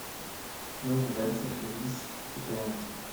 Jürgen Wenzel verließ die Band.